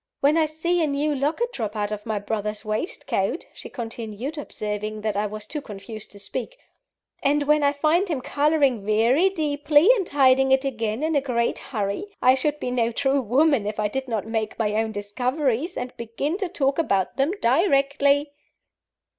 When I see a new locket drop out of my brother's waistcoat " she continued, observing that I was too confused to speak "and when I find him colouring very deeply, and hiding it again in a great hurry, I should be no true woman if I did not make my own discoveries, and begin to talk about them directly."